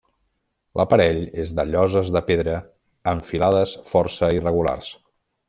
L'aparell és de lloses de pedra en filades força irregulars.